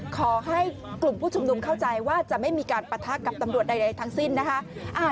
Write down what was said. ขอให้กลุ่มผู้ชุมนุมเข้าใจว่าจะไม่มีการปะทะกับตำรวจใดทั้งสิ้นนะคะ